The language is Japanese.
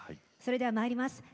それではまいります。